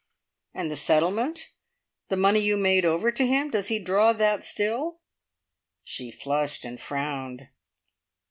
"And the settlement? The money you made over to him? Does he draw that still?" She flushed and frowned.